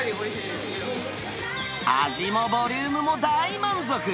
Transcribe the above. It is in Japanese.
味もボリュームも大満足。